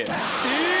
え！